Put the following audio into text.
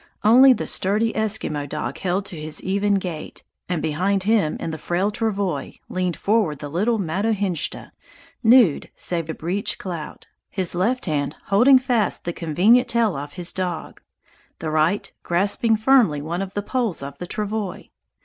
Only the sturdy Eskimo dog held to his even gait, and behind him in the frail travois leaned forward the little Matohinshda, nude save a breech clout, his left hand holding fast the convenient tail of his dog, the right grasping firmly one of the poles of the travois.